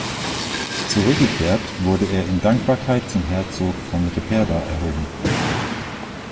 Zurückgekehrt, wurde er in Dankbarkeit zum Herzog von Ripperda erhoben.